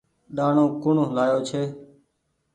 ڏآڻو ڪوڻ لآيو ڇي۔